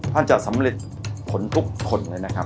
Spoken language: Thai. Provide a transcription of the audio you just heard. ท่านจะสำเร็จผลทุกคนเลยนะครับ